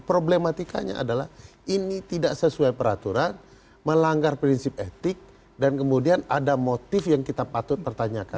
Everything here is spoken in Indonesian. problematikanya adalah ini tidak sesuai peraturan melanggar prinsip etik dan kemudian ada motif yang kita patut pertanyakan